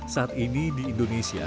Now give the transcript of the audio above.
saat ini di indonesia